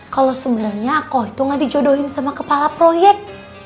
kalau sebenarnya kok itu gak dijodohin sama kepala proyek